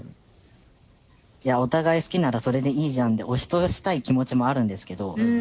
「お互い好きならそれでいいじゃん」で押し通したい気持ちもあるんですけど。